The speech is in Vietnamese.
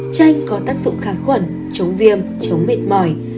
chanh có tác dụng khả khuẩn chống viêm chống mệt mỏi